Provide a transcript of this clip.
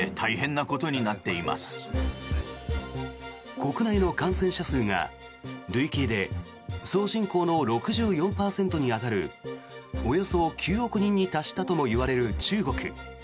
国内の感染者数が累計で総人口の６４％に当たるおよそ９億人に達したともいわれる中国。